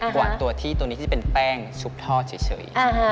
หวานตัวที่ตัวนี้ก็จะเป็นแป้งชุบทอดเฉย